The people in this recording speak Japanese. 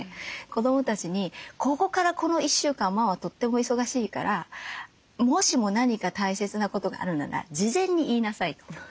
子どもたちに「ここからこの１週間ママとっても忙しいからもしも何か大切なことがあるなら事前に言いなさい」と。